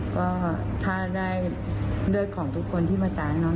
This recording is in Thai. ก็ถ้าได้เลือดของทุกคนที่มาจ่ายให้น้อง